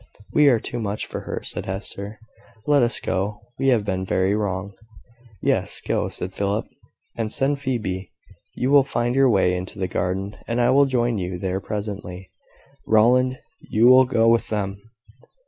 "We are too much for her," said Hester; "let us go, we have been very wrong." "Yes, go," said Philip, "and send Phoebe. You will find your way into the garden, and I will join you there presently. Rowland, you will go with them."